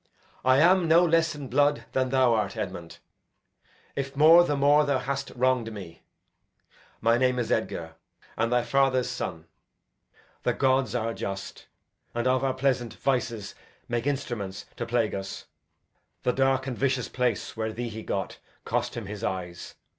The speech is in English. I am no less in blood than thou art, Edmund; If more, the more th' hast wrong'd me. My name is Edgar and thy father's son. The gods are just, and of our pleasant vices Make instruments to scourge us. The dark and vicious place where thee he got Cost him his eyes.